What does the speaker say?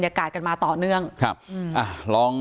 อยากให้สังคมรับรู้ด้วย